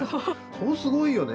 それすごいよね。